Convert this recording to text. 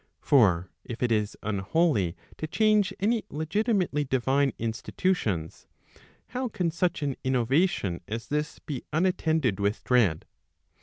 For if it is unholy to change any legitimately divine institutions, how can such an innovation as this be unattended with dread